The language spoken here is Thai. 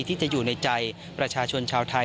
ที่จะอยู่ในใจประชาชนชาวไทย